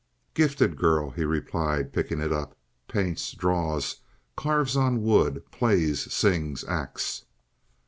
"Gifted girl!" he replied, picking it up. "Paints, draws, carves on wood, plays, sings, acts."